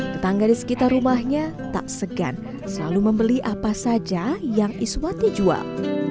tetangga di sekitar rumahnya tak segan selalu membeli apa saja yang iswati jual